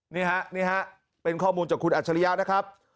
นี่ฮะนี่ฮะเป็นข้อมูลจากคุณอัจฉริยะนะครับ